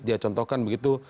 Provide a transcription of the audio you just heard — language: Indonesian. dia contohkan begitu